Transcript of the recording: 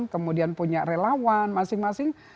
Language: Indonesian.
kemudian punya relawan masing masing